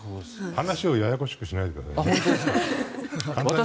話をややこしくしないでください。